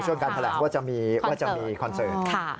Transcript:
การแถลงว่าจะมีคอนเสิร์ต